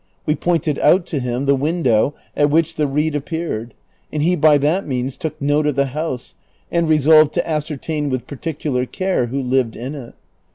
We pointed out to him the window at which the reed appeared, and he by that means took note of the house, and resolved to ascertain with particular care who lived in it.